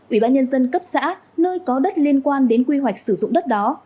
ủy ban nhân dân cấp xã nơi có đất liên quan đến quy hoạch sử dụng đất đó